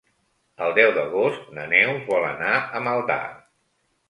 El deu d'agost na Neus vol anar a Maldà.